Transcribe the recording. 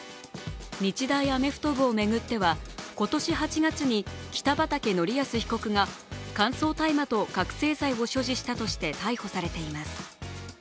日大アメフト部を巡っては今年８月に北畠成文被告が乾燥大麻と覚醒剤を所持したとして逮捕されています。